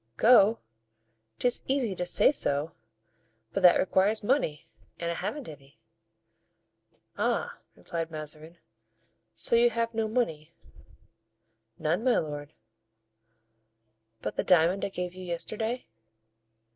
"Go! 'tis easy to say so, but that requires money, and I haven't any." "Ah!" replied Mazarin, "so you have no money?" "None, my lord." "But the diamond I gave you yesterday?"